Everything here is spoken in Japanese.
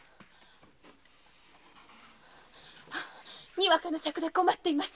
にわかの「シャク」で困っています。